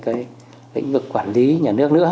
cái lĩnh vực quản lý nhà nước nữa